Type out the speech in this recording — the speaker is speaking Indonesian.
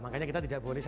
makanya kita tidak boleh